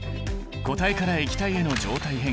固体から液体への状態変化